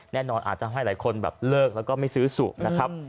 แน่นอนอาจจะให้ละคนเลิกและไม่ซื้อสูบ